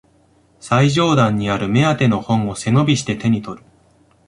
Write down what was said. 最上段にある目当ての本を背伸びして手にとる